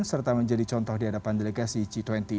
serta menjadi contoh di hadapan delegasi g dua puluh